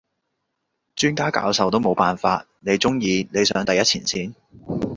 專家教授都冇辦法，你中意你上第一前線？